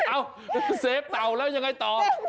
เอ้าเซฟเต่าแล้วยังไงต่อ